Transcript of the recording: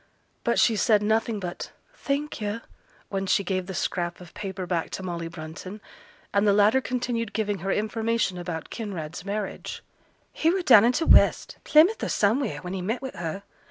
But she said nothing but 'Thank yo',' when she gave the scrap of paper back to Molly Brunton. And the latter continued giving her information about Kinraid's marriage. 'He were down in t' west, Plymouth or somewheere, when he met wi' her.